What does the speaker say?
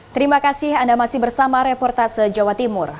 terima kasih anda masih bersama reportase jawa timur